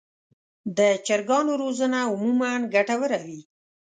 د چرګانو روزنه عموماً ګټه وره وي.